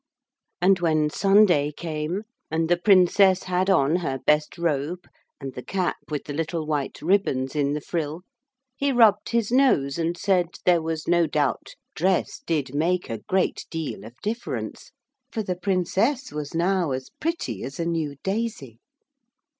And when Sunday came, and the Princess had on her best robe and the cap with the little white ribbons in the frill, he rubbed his nose and said there was no doubt dress did make a great deal of difference. For the Princess was now as pretty as a new daisy.